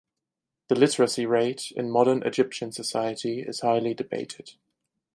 The literacy rate in modern Egyptian society is highly debated.